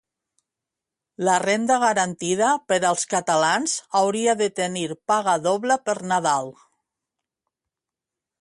La renda garantida per als catalans hauria de tenir paga doble per Nadal